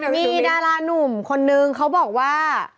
มีดารานุ่มคนนึงเขาบอกว่า